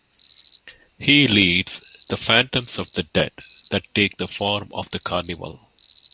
He leads "the phantoms of the dead" that take the form of the Carnival.